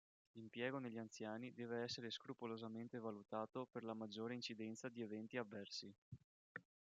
L'impiego negli anziani deve essere scrupolosamente valutato per la maggiore incidenza di eventi avversi.